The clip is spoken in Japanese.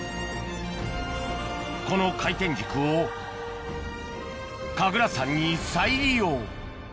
この回転軸を神楽桟に再利用